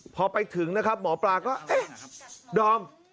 พอไปถึงนะครับหมอปลาก็เอ๊ะดอม